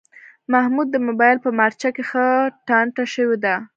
محمود د مبایل په مارچه کې ښه ټانټه شوی دی.